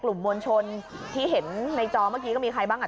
กลุ่มมวลชนที่เห็นในจอเมื่อกี้ก็มีใครบ้างอ่ะ